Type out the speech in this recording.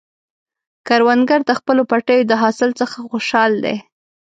کروندګر د خپلو پټیو د حاصل څخه خوشحال دی